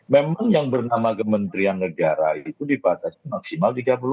memang yang bernama kementerian negara itu dibatasi maksimal tiga puluh